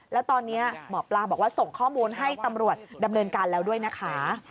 แล้วตอนนี้หมอปลาบอกว่าส่งข้อมูลให้ตำรวจดำเนินการแล้วด้วยนะคะ